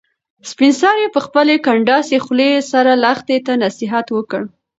سپین سرې په خپلې کنډاسې خولې سره لښتې ته نصیحت وکړ.